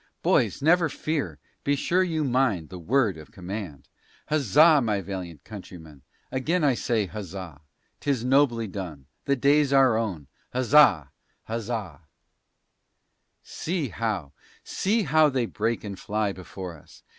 Boys, never fear, be sure you mind The word of command! Huzzah, my valiant countrymen! again I say huzzah! 'Tis nobly done, the day's our own, huzzah, huzzah! See how, see how, they break and fly before us!